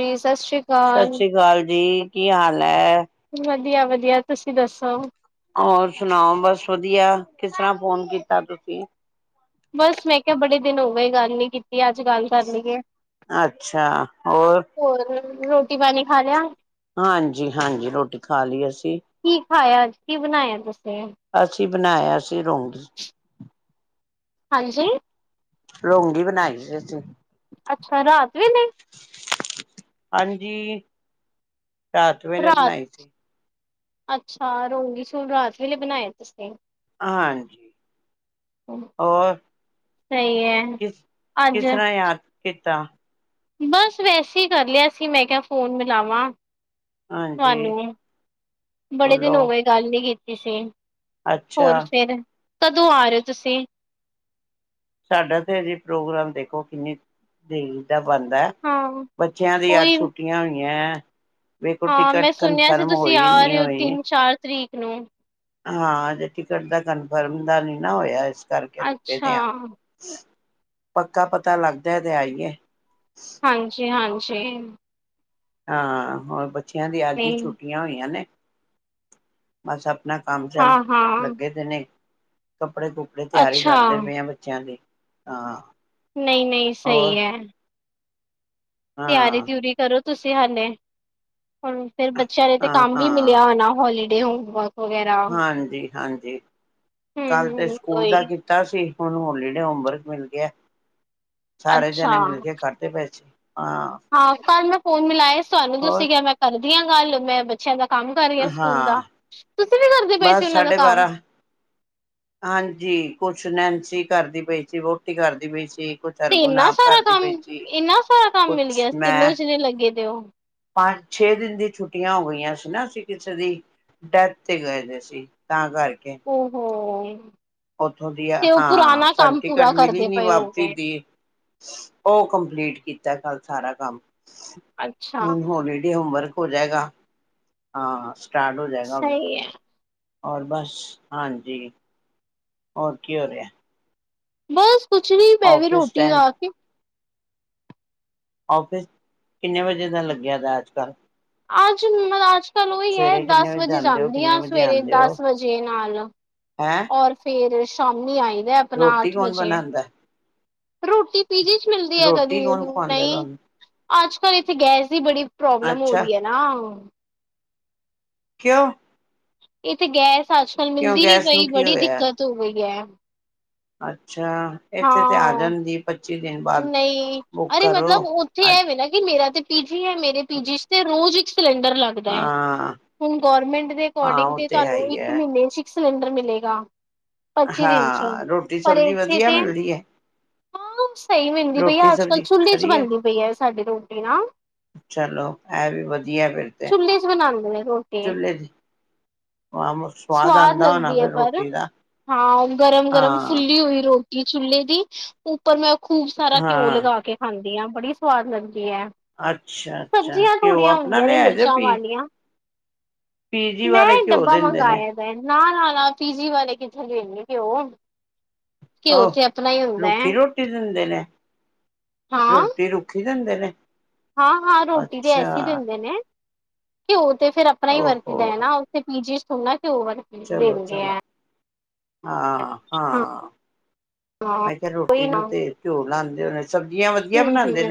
ਜੀ ਸਤਿ ਸ੍ਰੀ ਸਤਿ ਅਕਾਲ ਸ੍ਰੀ ਅਕਾਲ ਜੀ ਕੀ ਹਾਲ ਹੈ? ਵਧੀਆ- ਵਧੀਆ ਤੁਸੀਂ ਦੱਸੋ ਹੋਰ ਸੁਣਾਓ, ਬਸ ਵਧੀਆ ਕਿਸ ਤਰ੍ਹਾਂ ਫੋਨ ਕੀਤਾ ਤੁਸੀਂ ਬਸ ਮੈਂ ਕਿਹਾ ਬੜੇ ਦਿਨ ਹੋ ਗਏ ਗੱਲ ਨੀ ਕੀਤੀ, ਅੱਜ ਗੱਲ ਕਰ ਲਈਏ। ਅੱਛਾ ਹੋਰ ਰੋਟੀ ਪਾਣੀ ਖਾ ਲਿਆ? ਹਾਂਜੀ -ਹਾਂਜੀ ਰੋਟੀ ਖਾ ਲਈ ਅਸੀਂ। ਹੋਰ ਅੱਜ ਕੀ ਬਣਾਇਆ ਤੁਸੀਂ? ਅਸੀਂ ਬਣਾਇਆ ਸੀ ਰੋਂਗੀ। ਹਾਂਜੀ? ਰੋਂਗੀ ਬਣਾਈ ਸੀ, ਅਸੀਂ। ਅੱਛਾ ਰਾਤ ਵੀ ਹਾਂਜੀ ਰਾਤ ਵੇਲੇ ਰਾਤ ਬਣਾਈ ਸੀ। ਅੱਛਾ ਰੋਂਗੀ ਰਾਤ ਵੇਲੇ ਬਣਾਏ ਤੁਸੀਂ? ਹਾਂਜੀ, ਹੋਰ ਸਹੀ ਹੈ ਕਿਸ ਅੱਜ ਕਿਸ ਤਰ੍ਹਾਂ ਯਾਦ ਕਿਸ ਕੀਤਾ ਬਸ ਵੈਸੇ ਹੀ ਕਰ ਲਿਆ ਸੀ, ਮੈਂ ਕਿਹਾ ਫੋਨ ਮਿਲਾਵਾਂ ਹਾਂਜੀ ਤੁਹਾਨੂੰ, ਬੜੇ ਦਿਨ ਬੋਲੋ ਹੋਵੇ ਗੱਲ ਨੀ ਸੀ ਹੋਰ ਅੱਛਾ ਫੇਰ ਕਦੋਂ ਆ ਰਹੇ ਤੁਸੀਂ? ਸਾਡਾ ਤੇ ਅਜੇ ਪ੍ਰੋਗਰਾਮ ਦੇਖੋ ਕਿੰਨੀ ਦੇਰੀ ਦਾ ਬਣਦਾ ਹਾਂ ਬੱਚਿਆਂ ਦੀ ਅੱਜ ਉਹੀ ਛੁੱਟੀਆਂ ਹੋਈਆਂ। [unintelligible] ਹਾਂ ਮੈਂ ਟਿਕਟ ਸੁਣਿਆ ਸੀ ਕਨਫਰਮ ਤੁਸੀਂ ਹੋਈ ਆ ਨਹੀਂ ਰਹੇ ਹੋ ਹੋਈ ਤਿੰਨ ਚਾਰ ਤਰੀਕ। ਹੂੰ ਹਾਂ ਜੇ ਟਿਕਟ ਦਾ ਕਨਫਰਮ ਦਾ ਨੀ ਨਾ ਹੋਇਆ ਇਸ ਕਰਕੇ ਰੁਕੇ ਅੱਛਾ ਦੇ ਹਾਂ ਪੱਕਾ ਪਤਾ ਲੱਗਦਾ ਤੇ ਆਈਏ [unintelligible] ਠੀ ਹਾਂ ਹੋਰ ਬੱ ਬੱਚਿਆਂ ਦੀ ਅੱਜ ਹੀ ਨਹੀਂ ਛੁੱਟੀਆਂ ਹੋਈਆਂ ਨੇ ਮਸਾਂ ਆਪਣਾ ਕੰਮ ਹਾਂ ਸ਼ਮ ਹਾਂ ਲੱਗੇ ਦੇ ਨੇ ਕੱਪੜੇ ਕੁਪੜੇ ਤਿਆਰੀ ਅੱਛਾ ਕਰਦੇ ਪਏ ਆ ਬੱਚਿਆਂ ਦੀ ਹਾਂ ਨਹੀਂ ਨਹੀਂ ਹੋਰ ਸਹੀ ਐ ਤਿਆਰੀ ਹਾਂ ਤਿਊਰੀ ਕਰੋ ਤੁਸੀਂ ਹਾਲੇ ਹੂੰ ਫੇਰ ਬੱਚਿਆਂ ਨੇ ਤੇ ਹਾਂ ਕੰਮ ਵੀ ਹਾਂ ਮਿਲਿਆ ਹੋਣਾ ਹੋਲੀ [unintelligible] ਹਾਂਜੀ ਹਾਂਜੀ ਕੱਲ ਤੇ ਹਮ ਸਕੂਲ ਉਹੀ ਦਾ ਕੀਤਾ ਸੀ ਹੁਣ ਹੌਲੀਡੇ ਹੋਮਵਰਕ ਮਿਲ ਗਿਆ ਸਾਰੇ ਜਾਣੇ ਅੱਛਾ ਮਿਲ ਕੇ ਕਰਦੇ ਪੈਸੇ ਹਾਂ ਕੱਲ ਮੈਂ ਫੋਨ ਮਿਲਾਏ ਤੁਹਾਨੂੰ ਹੋਰ ਤੁਸੀਂ ਕਿਹਾ ਮੈਂ ਕਰਦੀ ਹਾਂ ਗੱਲ ਮੈਂ ਬੱਚਿਆਂ ਦਾ ਕੰਮ ਕਰ ਰਹੀ ਆ ਸਕੂਲ ਦਾ ਹਾਂ ਤੁਸੀਂ ਨੀ ਕਰਦੇ ਪਏ ਸੀ ਬਸ ਉਹਨਾਂ ਦਾ ਸਾਢੇ ਕੰਮ? ਬਾਰਾਂ ਛਨੈਂਸੀ ਕਰਦੀ ਪਈ ਸੀ ਵਹੁਟੀ ਕਰਦੀ ਪਈ ਸੀ ਕੁਛ ਤੇ ਹਰਗੁਣ ਇੰਨਾ ਆਪ ਸਾਰਾ ਕਰਦੀ ਕੰਮ ਪਈ ਸੀ ਇੰਨਾ ਸਾਰਾ ਕੰਮ ਮਿਲ ਕੁਛ ਗਿਆ ਤਿੰਨੋ ਮੈਂ ਜਣੇ ਲੱਗੇ ਤੇ ਉਹ ਪੰਜ ਛੇ ਦਿਨ ਦੀ ਛੁੱਟੀਆਂ ਹੋ ਗਈਆਂ ਸੀ ਨਾ ਅਸੀਂ ਕਿਸੇ ਦੀ ਡੈਥ ਤੇ ਗਏ ਸੀ ਤਾਂ ਕਰਕੇ ਓ ਹੋ ਹਮ [unintelligible] ਉੱਥੋਂ ਦੀ ਹੈ ਹਾਂ ਸਾਨੂੰ ਪੂਰਾ ਟਿਕਟ ਮਿਲੀ ਕਰਦੇ ਨੀ ਪਏ ਵਾਪਸੀ ਹੋਗੇ ਦੀ ਉਹ ਕੰਪਲੀਟ ਕੀਤੀ ਜ ਕੱਲ ਸਾਰਾ ਕੰਮ ਅੱਛਾ ਹੁਣ ਹੋਲੀਡੇ ਹੋਮਵਰਕ ਹੋ ਜਾਏਗਾ ਹਾਂ ਸਟਾਰਟ ਹੋ ਜਾਏਗਾ ਅ ਸਹੀ ਹੈ ਔਰ ਬਸ ਹਾਂਜੀ ਹੋਰ ਕੀ ਹੋ ਰਿਹਾ। ਬਸ ਕੁਛ ਨੀ ਪੈ ਵੀ ਆਫਿਸ ਰੋਟੀ ਟਾਈਮ ਖਾ ਕੇ, ੳਫਿਸ ਕਿੰਨੇ ਵਜੇ ਦਾ ਲੱਗਿਆ ਦਾ ਕਾ ਅੱਜ ਉਹੀ ਹੈ ਕਿੰਨੇ ਦਸ ਵਜੇ ਜਾਂਦੇ ਹੋ ਜਾਂਦੀ ਕਿੰਨੇ ਹਾਂ। ਵਜੇ ਸਵੇਰੇ ਆਉਂਦੇ ਹੋ ਦਸ ਵਜੇ ਨਾਲ ਹੈਂ ਔਰ ਫੇਰ ਸਾਮਮਣੇ ਆਏ ਆਪਣਾ ਰੋਟੀ ਅੱਠ ਕੌਣ ਵਜੇ ਬਣਾਉਂਦਾ ਰੋਟੀ ਪੀਜੀ ਚ ਮਿਲਦੀ ਹੈ। ਰੋਟੀ ਕਦੀ ਕੌਣ ਖਵਾਉਂਦਾ ਨਹੀਂ- ਤੁਹਾਨੂੰ ਅੱਜ ਕੱਲ੍ਹ ਇੱਥੇ ਗੈਸ ਦੀ ਬੜੀ ਪ੍ਰੋਬਲਮ ਹੋ ਅੱਛਾ ਰਹੀ ਹੈ ਨਾ। ਕਿਓ ਇੱਥੇ ਗੈਸ ਅੱਜਕੱਲ ਮਿਲਦੀ ਨੀ ਨੂੰ ਪਈ ਬੜੀ ਦਿੱਕਤ ਹੋ ਗਈ ਹੈ। ਹ ਅੱਛ ਅੱਛਾ ਇੱਥੇ ਤਾਂ ਆ ਜਾਣ ਜ ਪੱਚੀ ਦਿਨ ਬਾਅਦ ਨਹੀਂ ਬੁੱਕ ਅਰੇ ਮਤਲਬ ਕਰੋ ਉੱਥੇ ਅੱਜ ਐਵੇਂ ਨਾ ਕਿ ਮੇਰਾ ਤੇ ਪੀਜੀ ਹੈ ਮੇਰੇ ਪੀ ਜੀ ਇਸ ਤੇ ਰੋਜ਼ ਸਿਲੰਡਰ ਲੱਗਦਾ ਹੈ। ਹਾਂ ਹੁਣ ਗਰਮੈਂਟ ਦੇ ਹਾਂ ਅਕੋਰਡਿੰਗ ਉਹ ਤੇ ਹੈ ਤੁਹਾਨੂੰ ਹੀ ਇੱਕ ਹੈ ਮਹੀਨੇ ਸਿਲੰਡਰ ਮਿਲੇਗਾ। ਹਾਂ ਰੋਟੀ ਸਬਜ਼ੀ ਵਧੀ ਕੀ ਕਿਹਾ, ਹਾਂ ਸਹੀ ਮਿਲਦੀ ਪਈ ਆ, ਰੋਟੀ ਅੱਜ ਕੱਲ ਸਬਜ਼ੀ ਚੁੱਲੇ ਚ ਖਰੀ ਬਣਦੀ ਪਈ ਹੈ ਸਾਡੀ ਰੋਟੀ ਨਾ ਚਲੋ ਇਹ ਵੀ ਵਧੀਆ ਫਿਰ ਤੇ ਚੁੇਲੇ ਚ ਬਣ [unintelligible] ਰੋਟੀ ਚੁੱਲ੍ਹੇ ਦੀ ਸਵਾਦ ਆਉਂਦਾ ਹੋਣਾ ਲੱਗਦੀ ਹੈ। ਫਿਰ ਪਰ ਰੋਟੀ ਦਾ ਹਾਂ ਗਰਮ ਗਰਮ ਹਾਂ ਫੁੱਲੀ ਹੋਈ ਰੋਟੀ ਚੁੇਲੇ ਦੀ ਉੱਪਰ ਮੈਂ ਖੂਬ ਸਾਰਾ ਘਿਓ ਹਾਂ ਲਗਾ ਕੇ ਖਾਂਦੀ ਹਾਂ। ਬੜੀ ਸੁਵਾਦ ਲੱਗਗੀ ਅੱਛਾ ਅੱਛਾ ਸਬਜ਼ੀਆਂ ਘਿਓ ਥੋੜੀਆਂ ਆਪਣਾ ਹੁੰਦੀਆਂ ਨੇ ਲਿਆਏ ਜੇ ਮਿਰਚਾਂ ਪੀ ਵਾਲੀਆਂ ਪੀਜੀ ਮੈਂ ਵਾਲੇ ਘਿਓ ਡੱਬਾ ਦਿੰਦੇ ਨੇ ਮੰਗਵਾਇਆ ਵੇ ਨਾ ਨਾ ਨਾ ਪੀਜੀ ਵਾਲੇ ਕਿੱਥੇ ਦੇਣ ਗੇ ਘਿਓ ਘਿਓ ਆਹ ਤੇ ਆਪਣਾ ਹੀ ਹੁੰਦਾ ਹੈ ਰੁੱਖੀ ਰੋਟੀ ਦਿੰਦੇ ਨੇ ਰੋਟੀ ਰੁੱਖੀ ਦੇਂਦੇ ਨੇ ਹਾਂ ਹਾਂ ਰੋਟੀ ਤੇ ਅੱਛਾ ਐਸੀ ਦ ਦਿੰਦੇ ਨੇ ਕਿਉਂ ਤੇ ਫਿਰ ਆਪਣਾ ਹੀ ਵਰਤਦਾ ਹੈ ਓਹੋ ਨਾ ਉੱਥੇ ਪੀਜੀ ਤੁਨਾ ਚਲੋ ਚਲੋ [unintelligible] ਹਾਂ ਹਾਂ ਹਾਂ ਮੈਂ ਕਿਹਾ ਰੋਟੀ ਨੂੰ ਤੇ ਘਿਓ ਲਾਉਦੇ [unintelligible] ਹਮ ਹ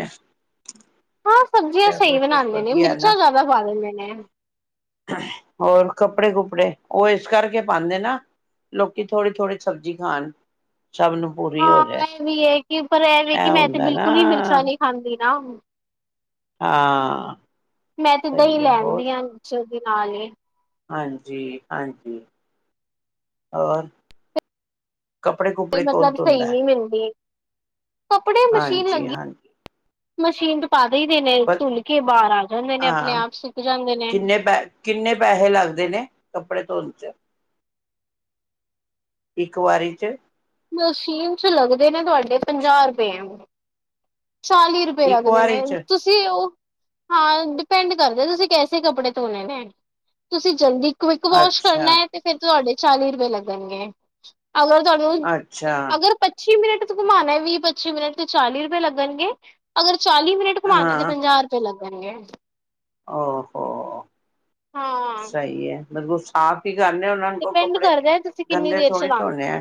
ਹਾਂ ਸਬਜ਼ੀਆਂ ਚਲੋ ਸਹੀ ਬਣਾਉਂਦੇ ਨੇ ਵਧੀਆ ਨਾ ਮਿਰਚਾਂ ਜ਼ਿਆਦਾ ਪਾ ਦਿੰਦੇ ਨੇ ਹੋਰ ਕੱਪੜੇ ਕੁਪੜੇ ਉਹ ਇਸ ਕਰਕੇ ਪਾਉਦੇ ਨਾ ਲੋਕੀ ਥੋੜ੍ਹੀ ਥੋੜ੍ਹੀ ਸਬਜ਼ੀ ਖਾਣ ਸਭ ਨੂੰ ਪੂਰੀ ਹੋ ਜਾਏ ਹਾਂ ਇਹ ਵੀ ਹੈ ਕਿ ਪਰ ਇਹਵੇ ਇਹ ਕਿ ਮੈਂ ਤੇ ਹੁੰਦਾ ਨਾ ਬਿਲਕੁਲ ਹੀ ਮਿਰਚਾ ਨਹੀਂ ਖਾਂਦੀ ਨਾ ਹਾਂ ਮੈਂ ਤੇ ਦਾਂਹੀ ਸਹੀ ਹੈ ਹੋਰ ਲੈਣਦੀ ਹ ਦੇ ਨਾਲ ਨੇ ਹਾਂਜੀ ਹਾਂਜੀ ਹੋਰ ਕੱਪੜੇ ਕੁਪੜੇ ਕੌਣ ਮਤਲਬ ਸਹੀ ਧੋਂਦਾ ਨਹੀਂ ਮਿਲਦੀ ਕੱਪੜੇ ਮਸ਼ੀਨ ਹਾਂਜੀ ਲੱਗੀ ਹਾਂਜੀ ਮਸ਼ੀਨ ਚ ਪਾ ਵਧ ਦੇ ਨੇ ਪਰ ਤੁੱਲ ਕੇ ਬਾਹਰ ਆ ਜਾਂਦੇ ਨੇ ਆਪਣੇ ਹਾਂ ਆਪ ਸੁੱਕ ਜਾਂਦੇ ਨੇ ਕਿੰਨੇ ਕੜੇ ਧ ਉਚ ਇੱਕ ਵਾਰੀ ਚ ਮਸ਼ੀਨ ਚ ਲੱਗਦੇ ਨੇ ਤੁਹਾਡੇ ਪੰਜਾਹ ਰੁਪਏ ਚਾਲੀ ਰੁਪਏ ਇੱਕ ਲੱਗਦੇ ਨੇ ਵਾਰੀ ਚ ਤੁਸੀਂ ਉਹ ਹਾਂ ਡਿਪੈਂਡ ਕਰਦੇ ਤੁਸੀਂ ਕੈਸੇ ਕੱਪੜੇ ਧੋਣੇ ਨੇ ਤੁਸੀਂ ਜਲਦੀ ਕਵਿਕ ਵੋਸ਼ ਅੱਛਾ ਕਰਨਾ ਹੈ ਤੇ ਫਰ ਤੁਹਾਡੇ ਚਾਲੀ ਰੁਪਏ ਲੱਗਣਗੇ ਅਗਰ ਤੁਹਾਨੂੰ ਅੱਛਾ ਅਗਰ ਪੱਚੀ ਮਿੰਟ ਤੇ ਘਮਾਣਾ ਵੀ ਪੱਚੀ ਮਿੰਟ ਚਾਲੀ ਰੁਪਏ ਲੱਗ ਣਗੇ ਅਗਰ ਚਾਲੀ ਮਿੰਟ ਘੁੰਮਾਣੇ ਤੇ ਪੰਜਾਹ ਰੁਪਏ ਲੱਗਗੇ [unintelligible] ਹੋ ਹੋ ਹਾਂ ਮਤਲਬ ਸਾਫ਼ ਹੀ ਕਰੇ ਉਹਨਾਂ ਨੂੰ ਕੋਲ ਡਿਪੈਂਡ ਕੱਪੜੇ ਕਰਦਾ ਤੁਸੀਂ ਕਿੰਨੀ ਗੰਦੇ ਦੇਰ ਥੋੜੀ ਚਲਾਉਂਦੇ ਧੋਣੇ ਆ